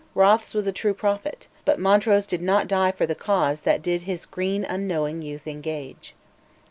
Rothes was a true prophet; but Montrose did not die for the cause that did "his green unknowing youth engage."